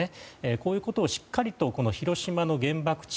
こういうことをしっかりと広島の原爆地。